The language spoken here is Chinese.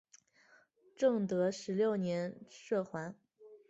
正德十六年赦还。